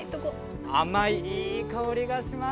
甘い、いい香りがします。